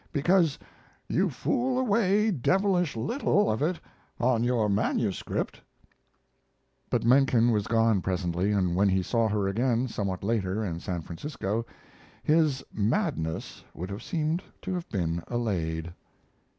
Because you fool away devilish little of it on your manuscript." But Menken was gone presently, and when he saw her again, somewhat later, in San Francisco, his "madness" would have seemed to have been allayed.